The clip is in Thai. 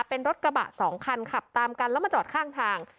เป็นรถกระบะสองคันขับตามกันแล้วมาจอดข้างทาง